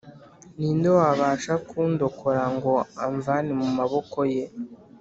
Ninde wabasha kundokora ngo amvane mu maboko ye